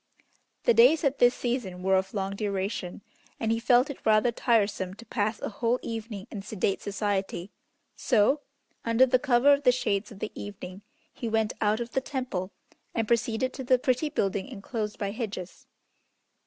The days at this season were of long duration, and he felt it rather tiresome to pass a whole evening in sedate society, so, under the cover of the shades of the evening, he went out of the Temple, and proceeded to the pretty building enclosed by hedges.